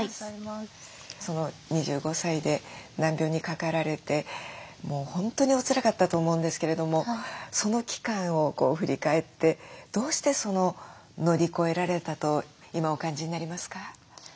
２５歳で難病にかかられてもう本当におつらかったと思うんですけれどもその期間を振り返ってどうして乗り越えられたと今お感じになりますか？